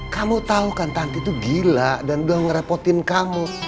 kamu tau kan tanti tuh gila dan doang ngerepotin kamu